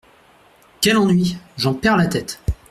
Quel ennui ! j’en perds la tête !…